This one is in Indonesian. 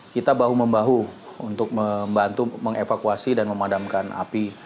kita bahu membahu untuk membantu mengevakuasi dan memadamkan api